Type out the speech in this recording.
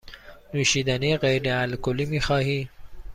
نوشیدنی غیر الکلی می خواهی؟